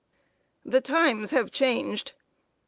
The times have changed.